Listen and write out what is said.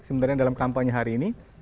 sebenarnya dalam kampanye hari ini